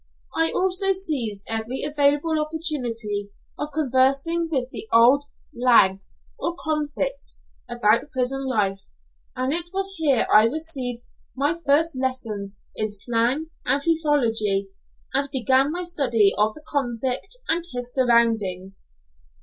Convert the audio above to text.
I also seized every available opportunity of conversing with the old "lags," or convicts, about prison life, and it was here I received my first lessons in slang and thiefology, and began my study of the convict and his surroundings.